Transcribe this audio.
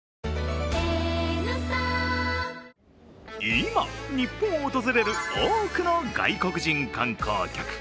今、日本を訪れる多くの外国人観光客。